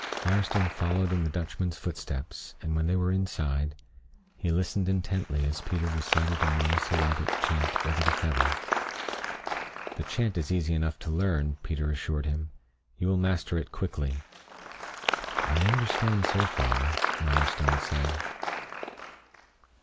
Mirestone followed in the Dutchman's footsteps, and when they were inside, he listened intently as Peter recited a monosyllabic chant over the feather. "The chant is easy enough to learn," Peter assured him. "You will master it quickly." "I understand so far," Mirestone said.